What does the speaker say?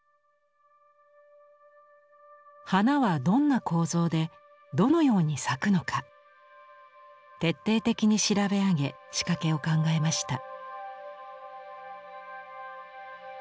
花はどんな構造でどのように咲くのか徹底的に調べ上げ仕掛けを考えました。